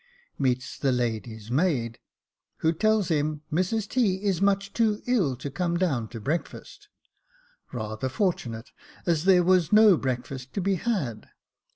Meets the lady's maid, who tells him Mrs T. is much too ill to come down to breakfast. Rather fortunate, as there was no breakfast to be had.